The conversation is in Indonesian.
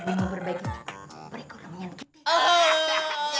demi lo perbaiki keturunan kita